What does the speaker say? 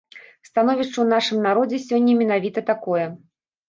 Становішча ў нашым народзе сёння менавіта такое.